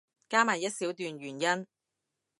加埋一小段原因